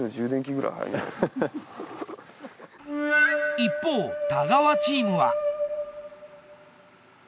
一方太川チームは。